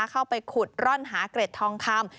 เข้าไปขุดร่อนหาเกร็ดทองคำ